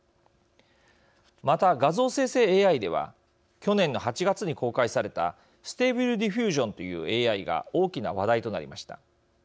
また画像生成ＡＩでは去年の８月に公開されたＳｔａｂｌｅＤｉｆｆｕｓｉｏｎというＡＩが大きな話題となりました。